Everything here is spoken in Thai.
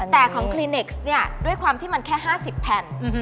แต่ของคลินิกซ์เนี่ยด้วยความที่มันแค่๕๐แผ่น